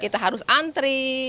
kita harus antri